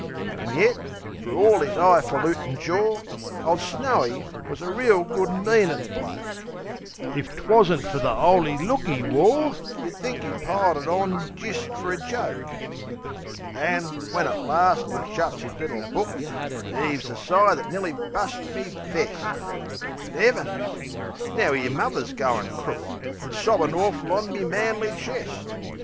An' yet, fer orl 'is 'igh falutin' jor, Ole Snowy wus a reel good meanin' bloke. If 'twasn't fer the 'oly look 'e wore Yeh'd think 'e piled it on jist fer a joke. An', when at last 'e shuts 'is little book, I 'eaves a sigh that nearly bust me vest. But 'Eavens! Now 'ere's muvver goin' crook! An' sobbin' awful on me manly chest!